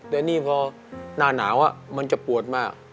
แต่นี่พอหน้าหนาวมันจะปวดมาก